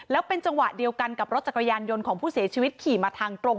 แล้วเป็นจังหวะเดียวกันกับรถจักรยานยนต์ของผู้เสียชีวิตขี่มาทางตรง